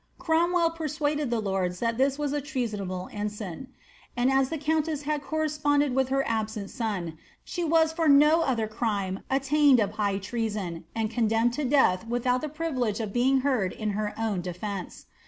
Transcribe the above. Cromwell persuaded the lords that I*"* was a treasonable ensign; and as the countess had corresponded *iita hcT absent son, she was for no other crime aitainled of high irea ■on, aoiJ cuudemned to death without the privilege of being heard in *w nwn defence.